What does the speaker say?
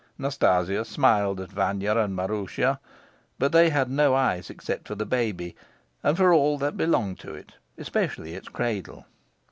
Nastasia smiled at Vanya and Maroosia; but they had no eyes except for the baby, and for all that belonged to it, especially its cradle.